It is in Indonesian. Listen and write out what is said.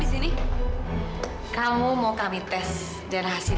mas iksan sudah mengetahui